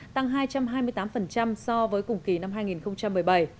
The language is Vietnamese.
tăng hai trăm hai mươi tám so với cùng kỳ năm hai nghìn một mươi bảy